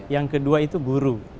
yang kedua itu guru